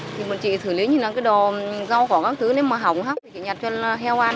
thì chị thử lý như là cái đò rau quả các thứ nếu mà hỏng hóc thì chị nhặt cho heo ăn